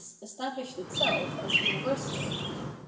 estab lished itself as universal.